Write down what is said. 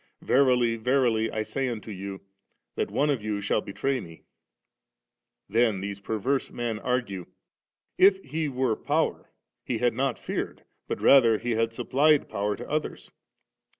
Verily, verily, I say unto you, that one of you shall betray Me «.• Then these perverse men argue ; *If He were Power, He had not feared, but rather He had supplied power to others.'